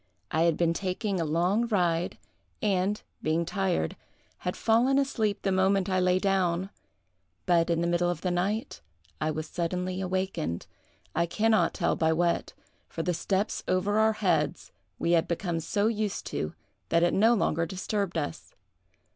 I had been taking a long ride, and, being tired, had fallen asleep the moment I lay down; but, in the middle of the night, I was suddenly awakened—I can not tell by what, for the steps over our heads we had become so used to that it no longer disturbed us.